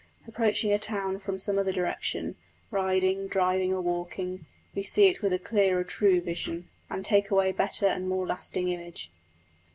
Approaching a town from some other direction riding, driving, or walking we see it with a clearer truer vision, and take away a better and more lasting image.